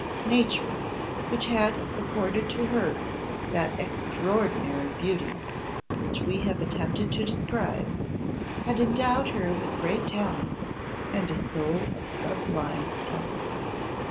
Nature, which had accorded to her that extraordinary beauty we have attempted to describe, had endowed her with great talents and a soul of sublime temper.